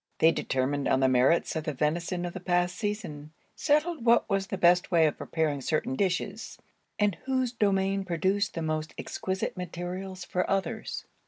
They determined on the merits of the venison of the past season; settled what was the best way of preparing certain dishes; and whose domain produced the most exquisite materials for others.